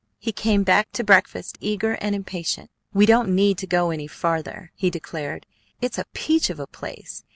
He came back to breakfast eager and impatient. "We don't need to go any farther," he declared. "It's a peach of a place.